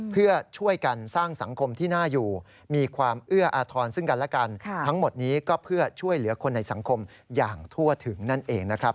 เพื่อช่วยเหลือคนในสังคมอย่างทั่วถึงนั่นเองนะครับ